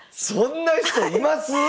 そんな人います